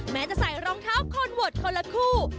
แม้จะใส่รองเท้าคนโหวตคนละคู่